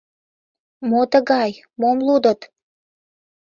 Мо тыгай, мом лудыт?